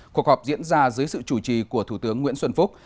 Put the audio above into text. cuộc họp diễn ra dưới sự chủ trì của thủ tướng nguyễn xuân phúc